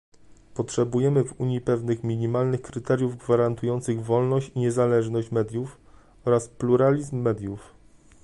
Potrzebujemy w Unii pewnych minimalnych kryteriów gwarantujących wolność i niezależność mediów, oraz pluralizm mediów